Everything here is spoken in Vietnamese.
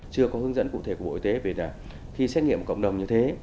chưa có hướng dẫn cụ thể của bộ y tế về khi xét nghiệm cộng đồng như thế